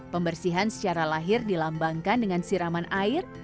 pembersihan secara lahir dilambangkan dengan siraman air